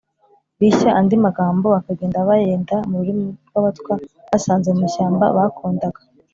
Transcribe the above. rishya. andi magambo bakagenda bayenda mu ririmi rw’abatwa basanze mu mashyamba bakondaga.